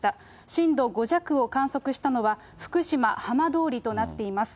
震度５弱を観測したのは、福島・浜通りとなっています。